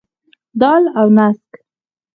دال او نسک.